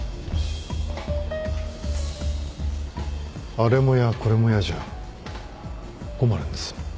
あれも嫌これも嫌じゃ困るんです